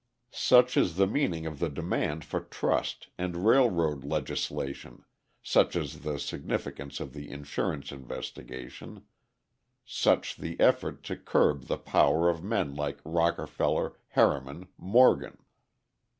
Such is the meaning of the demand for trust and railroad legislation, such the significance of the insurance investigation, such the effort to curb the power of men like Rockefeller, Harriman, Morgan.